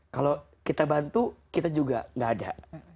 kalau kita bantu kita juga gak ada